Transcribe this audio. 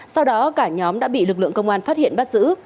sau đó cả nhóm đã bị lực lượng công an phát hiện bắt giữ